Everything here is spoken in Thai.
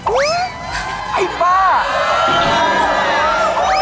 อุ๊ยไอ้บ้า